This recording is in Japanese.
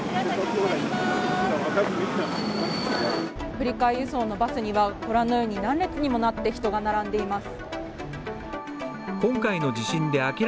振替輸送のバスにはご覧のように何列にもなって人が並んでいます。